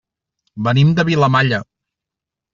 Venim de Vilamalla.